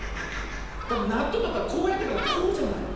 だってなっとうだったらこうやってからこうじゃない？